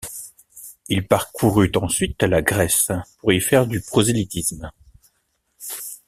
Il parcourut ensuite la Grèce pour y faire du prosélytisme.